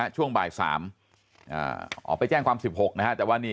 ช่วงบ่าย๓ออกไปแจ้งความสิบหกนะครับ